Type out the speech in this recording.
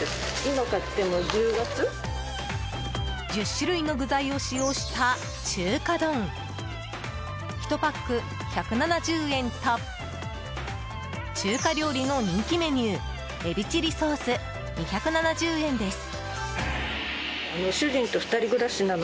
１０種類の具材を使用した中華丼、１パック１７０円と中華料理の人気メニュー海老チリソース、２７０円です。